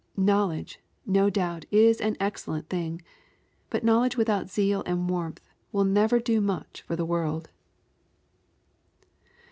Knowledge, no doubt, is an excellent thing ; but knowledge without zeal and warmth will never do much for the world.